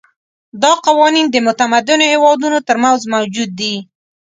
دا قوانین د متمدنو هېوادونو ترمنځ موجود دي.